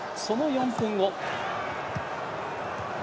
その４分後。